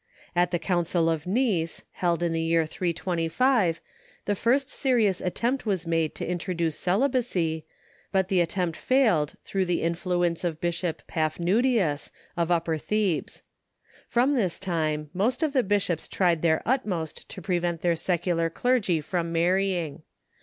At the council of Nice, held in the year 325, the first serious attempt was made to introduce celibacy, but the attempt failed through the influence of Bishop Paphnutius, of Upper Thebes. From this time, most of the bishops tried their utmost to prevent their secular clergy from marrying.